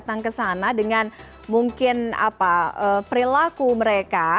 datang ke sana dengan mungkin perilaku mereka